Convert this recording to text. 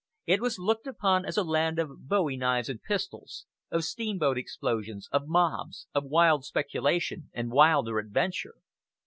It was looked upon as a land of bowie knives and pistols, of steamboat explosions, of mobs, of wild speculation and wilder adventure.